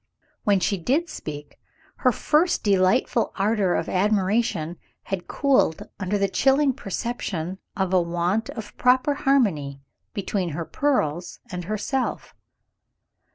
When she did speak, her first delightful ardor of admiration had cooled under the chilling perception of a want of proper harmony between her pearls and herself.